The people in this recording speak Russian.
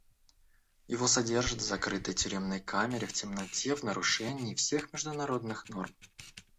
Его содержат в закрытой тюремной камере, в темноте, в нарушение всех международных норм.